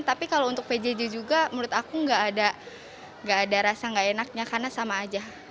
tapi kalau untuk pjj juga menurut aku nggak ada rasa gak enaknya karena sama aja